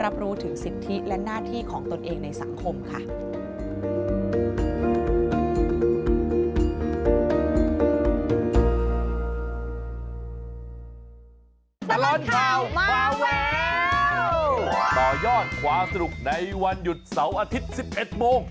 ตลดตลดตลดตลดตลดตลดตลดตลดตลดตลด